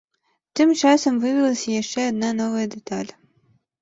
Тым часам выявілася яшчэ адна новая дэталь.